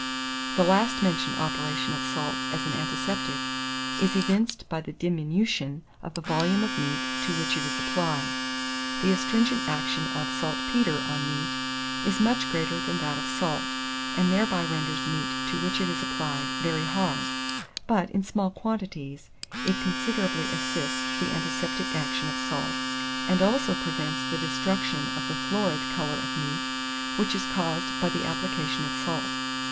The last mentioned operation of salt as an antiseptic is evinced by the diminution of the volume of meat to which it is applied. The astringent action of saltpetre on meat is much greater than that of salt, and thereby renders meat to which it is applied very hard; but, in small quantities, it considerably assists the antiseptic action of salt, and also prevents the destruction of the florid colour of meat, which is caused by the application of salt.